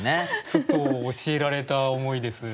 ちょっと教えられた思いです。